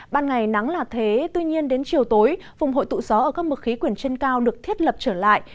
ban ngày nắng là thế tuy nhiên đến chiều tối vùng hội tụ gió ở các mực khí quyển trên cao được thiết lập trở lại